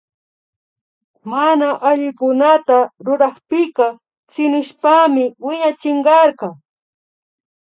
Mana allikunata rurakpika tsinishpami wiñachinkarka